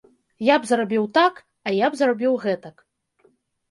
Я б зрабіў так, а я б зрабіў гэтак.